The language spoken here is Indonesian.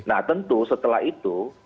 nah tentu setelah itu